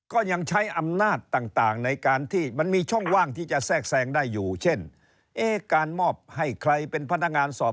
ก็ยังใช้อำนาจต่าง